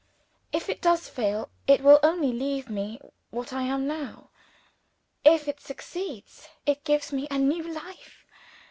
If it does fail, it will only leave me what I am now. If it succeeds, it gives me a new life.